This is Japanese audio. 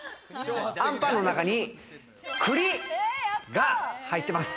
あんぱんの中に栗が入ってます。